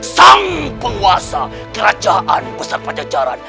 sang penguasa kerajaan pajajaran